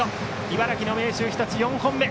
茨城の明秀日立、４本目。